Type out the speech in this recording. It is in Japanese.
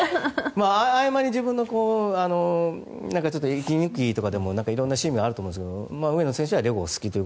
合間に自分の息抜きとかでもいろんな趣味があると思うんですが上野選手はレゴが好きと。